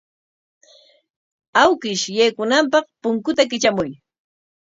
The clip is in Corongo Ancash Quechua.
Awkish yaykunanpaq punkuta kitramuy.